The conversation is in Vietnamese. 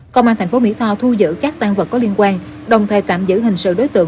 công an thành phố mỹ tho thu giữ các tàn vật có liên quan đồng thời tạm giữ hình sự đối tượng